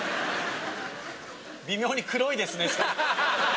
微妙に黒いですね。